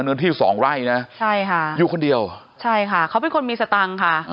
เนื้อที่สองไร่นะใช่ค่ะอยู่คนเดียวใช่ค่ะเขาเป็นคนมีสตังค์ค่ะ